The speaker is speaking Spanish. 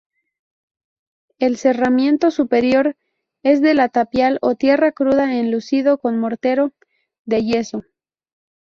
El cerramiento superior es de tapial o tierra cruda enlucido con mortero de yeso.